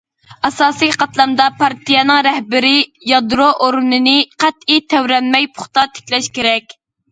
ئاساسىي قاتلامدا پارتىيەنىڭ رەھبىرىي يادرو ئورنىنى قەتئىي تەۋرەنمەي پۇختا تىكلەش كېرەك.